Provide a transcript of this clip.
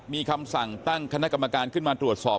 มีคำสั่งตั้งคณะกรรมการขึ้นมาตรวจสอบ